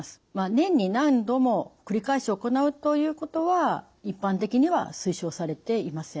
年に何度も繰り返し行うということは一般的には推奨されていません。